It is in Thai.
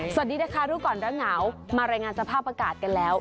สวัสดีนะคะรู้ก่อนร้อนหนาวมารายงานสภาพอากาศกันแล้ว